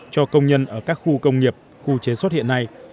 cho công nhân ở các khu công nghiệp khu chế xuất hiện nay